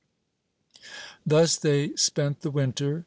Thus they spent the winter.